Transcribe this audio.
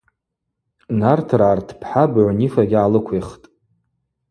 Нартыргӏа ртпхӏа быгӏвнифагьи гӏалыквихтӏ.